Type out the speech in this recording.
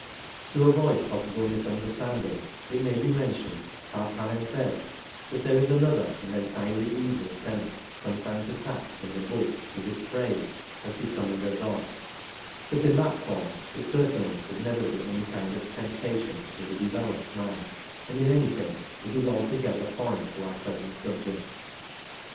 To avoid possible misunderstanding it may be mentioned par parenthkse that there is another and entirely evil sense sometimes attached in the books to this phrase of " becoming a god,*' but in that form it certainly could never be any kind of temptation *' to the developed man, and in any case it is altogether foreign to our present subject.